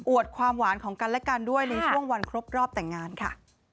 ความหวานของกันและกันด้วยในช่วงวันครบรอบแต่งงานค่ะ